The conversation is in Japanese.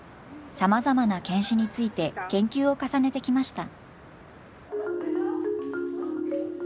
さまざまな犬種について研究を重ねてきました。